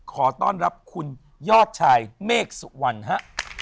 ขอต้อนรับคุณยอดชายเมฆสุวรรณฮะ